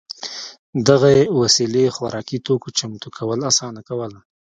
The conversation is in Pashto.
دغې وسیلې خوراکي توکو چمتو کول اسانه کول